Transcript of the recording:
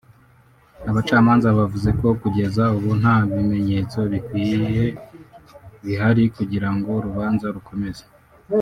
Abacamanza bavuze ko kugeza ubu nta bimenyetso bikwiye bihari kugirango urubanza rukomeze